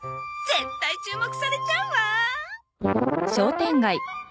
絶対注目されちゃうわ。